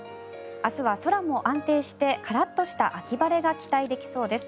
明日は空も安定してカラッとした秋晴れが期待できそうです。